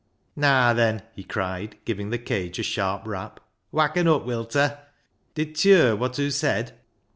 " Naa, then," he cried, giving the cage a sharp rap. " Wakken up, wilta. Did t'yer what hoo said